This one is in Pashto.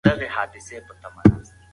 مسواک وهل د عبادت برخه وګرځوئ.